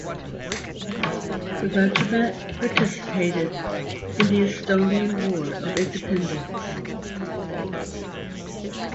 The regiment participated in the Estonian War of Independence.